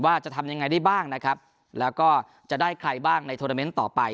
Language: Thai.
ว่าจะทำยังไงได้บ้างนะครับแล้วก็จะได้ใครบ้างในโทรเมนต์ต่อไป